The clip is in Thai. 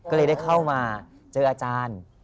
ก็เลยได้เข้ามาเจออาจารย์